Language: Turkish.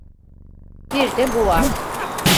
Bir de bu var.